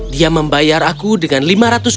dia membayar aku dengan lima ratus koin perak